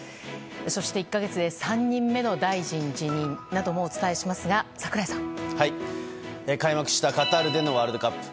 そして、１か月で３人目の大臣辞任などもお伝えしますが、櫻井さん。開幕したカタールでのワールドカップ。